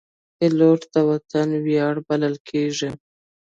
پیلوټ د وطن ویاړ بلل کېږي.